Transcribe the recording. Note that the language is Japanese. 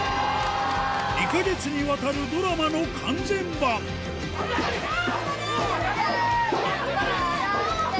２カ月にわたるドラマの完全版頑張れ！